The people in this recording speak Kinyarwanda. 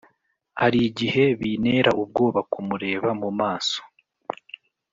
Harigihe binera ubwoba kumureba mumaso